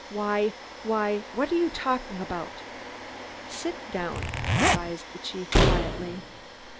"Why why ! What are you talking about?" "Sit down," advised the chief quietly.